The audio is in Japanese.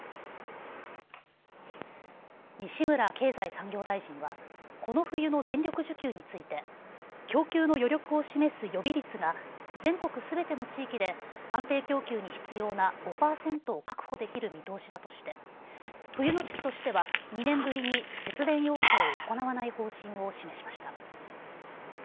西村経済産業大臣はこの冬の電力需給について供給の余力を示す予備率が全国すべての地域で安定供給に必要な５％を確保できる見通しだとして冬の時期としては２年ぶりに節電要請を行わない方針を示しました。